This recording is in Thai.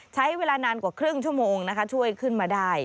ใช้เวลานานกว่าครึ่งชั่วโมงนะคะช่วยขึ้นมาได้